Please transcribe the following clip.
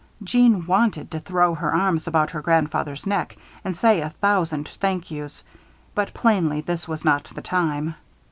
Jeanne wanted to throw her arms about her grandfather's neck, and say a thousand thank yous, but plainly this was not the time.